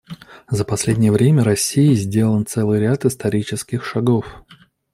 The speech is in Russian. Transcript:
За последнее время Россией сделан целый ряд исторических шагов.